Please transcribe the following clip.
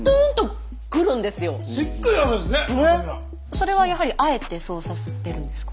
それはやはりあえてそうさせてるんですか？